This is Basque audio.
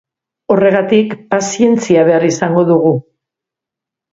Horregatik pazientzia behar izango dugu.